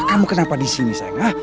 kamu kenapa di sini saja